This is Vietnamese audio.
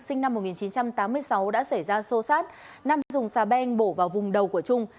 sinh năm một nghìn chín trăm tám mươi sáu đã xảy ra sô sát nam dùng xà beng bổ vào vùng đầu của trung